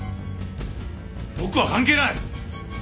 僕は関係ない！